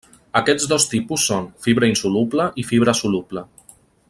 Aquests dos tipus són: fibra insoluble i fibra soluble.